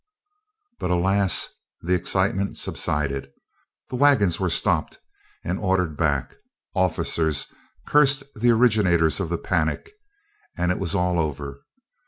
But, alas! the excitement subsided, the wagons were stopped and ordered back, officers cursed the originators of the panic, and it was all over.